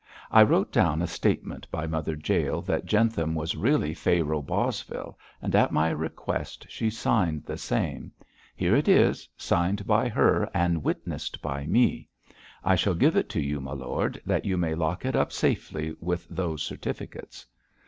I wrote down a statement by Mother Jael that Jentham was really Pharaoh Bosvile, and, at my request, she signed the same. Here it is, signed by her and witnessed by me. I shall give it to you, my lord, that you may lock it up safely with those certificates.'